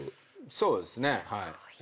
そうですね。